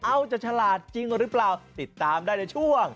เอาจะฉลาดจริงหรือเปล่าติดตามได้ในช่วง